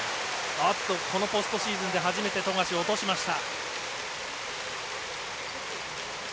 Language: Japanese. ポストシーズンで初めて富樫、落としました。